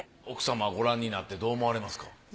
奥様ご覧になってどう思われますか？